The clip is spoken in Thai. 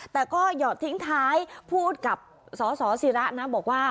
แต่ก็หยอดทิ้งท้ายพูดกับสสิระนะบอกว่า